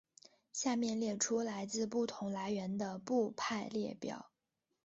下面列出来自不同来源的部派列表。